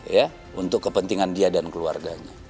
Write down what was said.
ya untuk kepentingan dia dan keluarganya